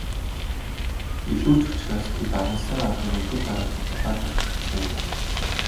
Илүү ч учраас тэд агнасан анг нь өдөр дараалан булааж авч чадсан хэрэг.